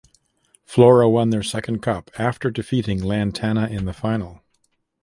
Flora won their second cup after defeating Lantana in the final.